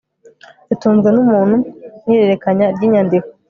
itunzwe n umuntu ihererekanya ry inyandiko